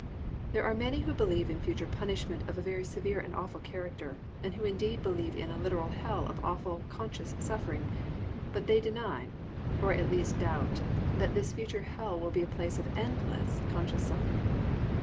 There are many who believe in future punishment of a very severe and awful character, and who indeed believe in a literal hell of awful, conscious suffering, but they deny, or at least doubt, that this future hell will be a place of endless, conscious suffering.